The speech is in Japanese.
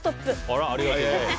あら、ありがとうございます。